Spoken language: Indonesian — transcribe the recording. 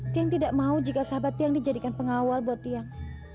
keng tidak mau jika sahabat tiang dijadikan pengawal buat tiang